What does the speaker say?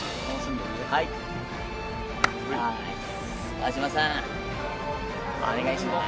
安嶋さん、お願いします。